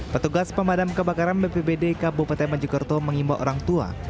petugas pemadam kebakaran bpbd kabupaten mojokerto mengimbau orang tua